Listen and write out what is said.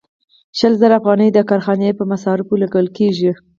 شل زره افغانۍ د کارخانې په مصارفو لګول کېږي